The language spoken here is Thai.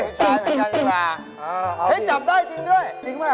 ผู้ชายเหมือนกันใช่มั้ย